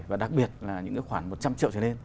và đặc biệt là những cái khoản một trăm linh triệu trở lên